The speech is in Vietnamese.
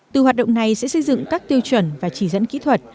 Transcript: từ hoạt động này sẽ xây dựng các tiêu chuẩn và chỉ dẫn kỹ thuật